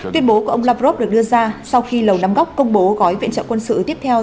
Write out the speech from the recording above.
tuyên bố của ông lavrov được đưa ra sau khi lầu đám góc công bố gói viện trợ quân sự tiếp theo